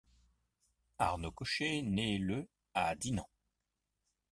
Arnaud Cochet naît le à Dinan.